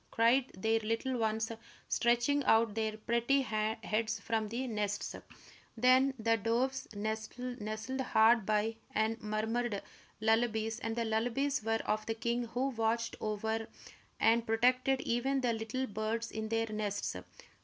cried their little ones, stretching out their pretty heads from the nests. Then the doves nestled hard by and murmured lullabies, and the lullabies were of the king who watched over and protected even the little birds in their nests.